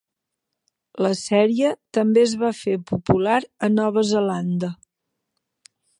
La sèrie també es va fer popular a Nova Zelanda.